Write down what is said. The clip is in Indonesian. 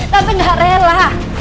tante gak rela